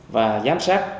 và giám sát